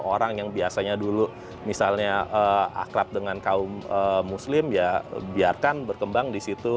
orang yang biasanya dulu misalnya akrab dengan kaum muslim ya biarkan berkembang di situ